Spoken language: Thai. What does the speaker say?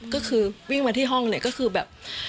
ก็คือวิ่งมาที่ห้องเนี่ยก็คือแบบ